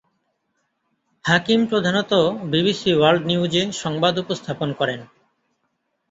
হাকিম প্রধানত "BBC world নিউজে" সংবাদ উপস্থাপন করেন।